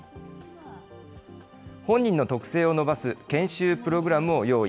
本人の特性を伸ばす研修プログラムを用意。